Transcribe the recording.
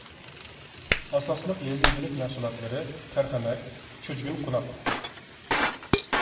ئاساسلىق يېزا ئىگىلىك مەھسۇلاتلىرى تەرخەمەك، چۈجگۈن قوناق.